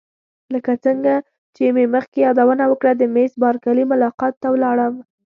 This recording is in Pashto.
لکه څنګه چې مې مخکې یادونه وکړه د میس بارکلي ملاقات ته ولاړم.